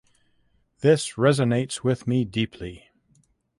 This resonates with me deeply.